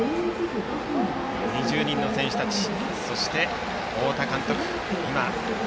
２０人の選手たちそして太田監督